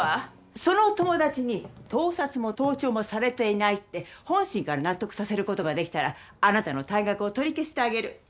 その友達に盗撮も盗聴もされていないって本心から納得させることができたらあなたの退学を取り消してあげる。